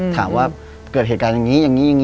ถามว่าเกิดเหตุการณ์อย่างนี้นะ